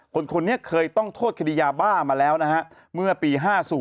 คนนี้เคยต้องโทษคดียาบ้ามาแล้วนะฮะเมื่อปี๕๐